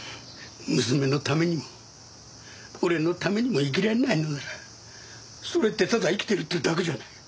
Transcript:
娘のためにも俺のためにも生きられないのならそれってただ生きてるってだけじゃない。